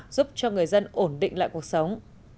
giúp cho người dân ổn định lại cuộc sống